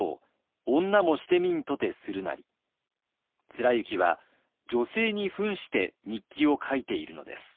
貫之は女性にふんして日記を書いているのです。